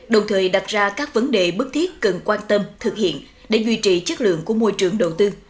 đồng thời đặt ra các vấn đề bức thiết cần quan tâm thực hiện để duy trì chất lượng của môi trường đầu tư